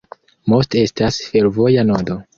Most estas fervoja nodo.